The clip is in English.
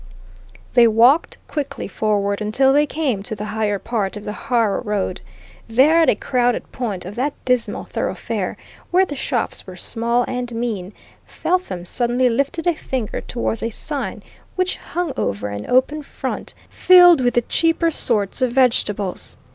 They walked quickly forward until they came to the higher part of the Harrow Road; there, at a crowded point of that dismal thoroughfare, where the shops were small and mean, Felpham suddenly lifted a finger towards a sign which hung over an open front filled with the cheaper sorts of vegetables.